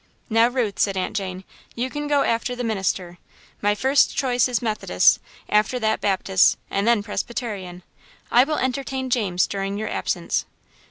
"Now Ruth," said Aunt Jane, "you can go after the minister. My first choice is Methodis', after that Baptis' and then Presbyterian. I will entertain James durin' your absence."